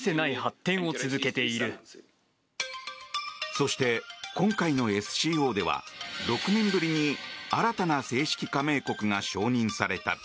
そして、今回のＳＣＯでは６年ぶりに新たな正式加盟国が承認された。